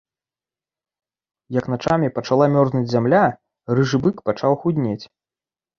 Як начамі пачала мерзнуць зямля, рыжы бык пачаў худнець.